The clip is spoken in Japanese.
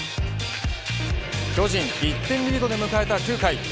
巨人１点リードで迎えた９回。